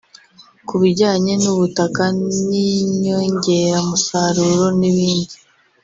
ku bijyanye n’ubutaka n’inyongeramusaruro n’ibindi